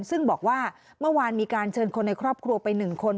ซึ่งบอกว่าเมื่อวานมีการเชิญคนในครอบครัวไป๑คน